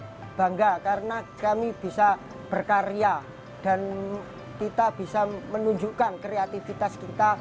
saya bangga karena kami bisa berkarya dan kita bisa menunjukkan kreativitas kita